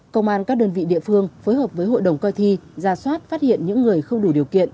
công an các đơn vị địa phương phối hợp với hội đồng coi thi ra soát phát hiện những người không đủ điều kiện